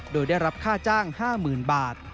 โดยได้รับค่าจ้าง๕๐๐๐บาท